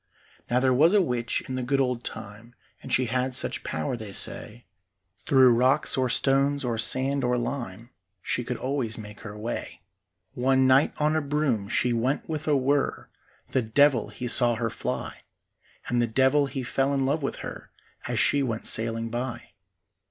Now there was a witch in the good old time, And she had such power, they say, Through rocks or stones or sand or lime, She could always make her way. One night on a broom she went with a whirr; The devil he saw her fly, And the devil he fell in love with her As she went sailing by.